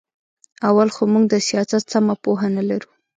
اول خو موږ د سیاست سمه پوهه نه لرو.